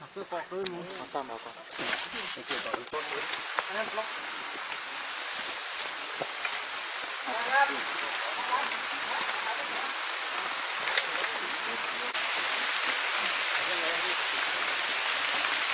ติดต่อไว้ได้เลยส่งข้อมูลส่งอะไรกันแล้วใช่เดี๋ยวเราต้องต้องไปรวมกันเลยครับ